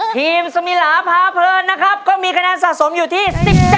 สมิลาพาเพลินนะครับก็มีคะแนนสะสมอยู่ที่๑๗